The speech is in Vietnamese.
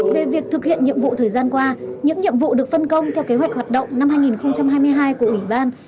về việc thực hiện nhiệm vụ thời gian qua những nhiệm vụ được phân công theo kế hoạch hoạt động năm hai nghìn hai mươi hai của ủy ban